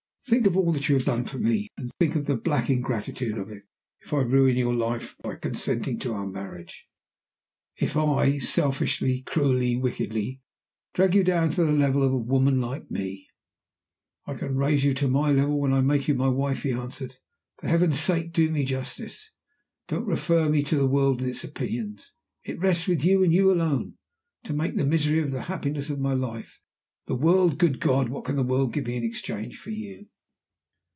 Think of all that you have done for me, and then think of the black ingratitude of it if I ruin you for life by consenting to our marriage if I selfishly, cruelly, wickedly, drag you down to the level of a woman like me!" "I raise you to my level when I make you my wife," he answered. "For Heaven's sake do me justice! Don't refer me to the world and its opinions. It rests with you, and you alone, to make the misery or the happiness of my life. The world! Good God! what can the world give me in exchange for You?"